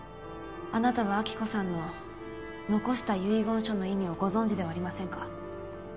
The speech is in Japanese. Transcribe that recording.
あなたは暁子さんの遺した遺言書の意味をご存じではありませんか？